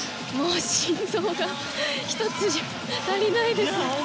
心臓が１つじゃ足りないです。